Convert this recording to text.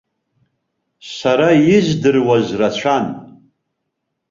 Сара издыруаз рацәан.